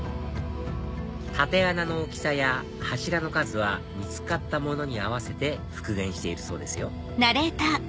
竪穴の大きさや柱の数は見つかったものに合わせて復元しているそうですよ